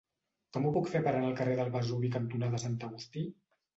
Com ho puc fer per anar al carrer Vesuvi cantonada Sant Agustí?